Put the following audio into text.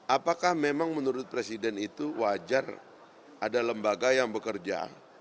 apakah memang menurut presiden itu wajar ada lembaga yang bekerja